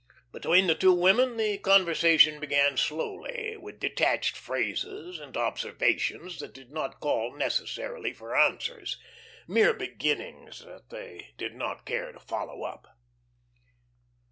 Between the two women the conversation began slowly, with detached phrases and observations that did not call necessarily for answers mere beginnings that they did not care to follow up.